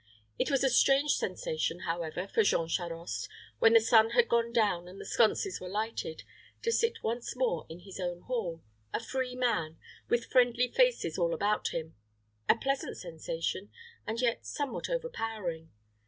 It was a strange sensation, however, for Jean Charost, when the sun had gone down and the sconces were lighted, to sit once more in his own hall, a free man, with friendly faces all about him a pleasant sensation, and yet somewhat overpowering.